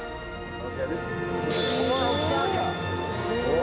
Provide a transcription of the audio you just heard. お！